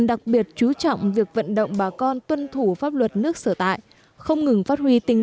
đặc biệt chú trọng việc vận động bà con tuân thủ pháp luật nước sở tại không ngừng phát huy tinh